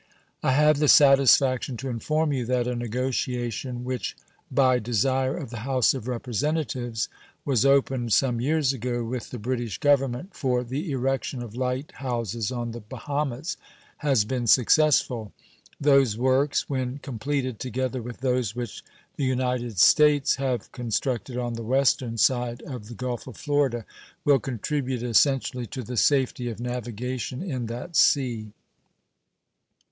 I have the satisfaction to inform you that a negotiation which, by desire of the House of Representatives, was opened some years ago with the British Government, for the erection of light houses on the Bahamas, has been successful. Those works, when completed, together with those which the United States have constructed on the western side of the Gulf of Florida, will contribute essentially to the safety of navigation in that sea.